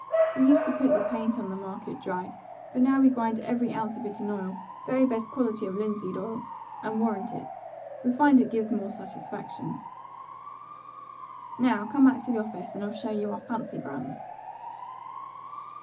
We used to put the paint on the market dry, but now we grind every ounce of it in oil very best quality of linseed oil and warrant it. We find it gives more satisfaction. Now, come back to the office, and I'll show you our fancy brands."